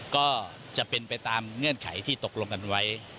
ก็จะเป็นไปตามเงื่อนไขที่ตกลงกันไว้